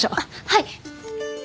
はい！